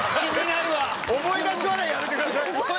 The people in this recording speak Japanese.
思い出し笑いやめてください！